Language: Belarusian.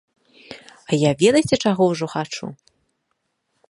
А я ведаеце чаго ўжо хачу?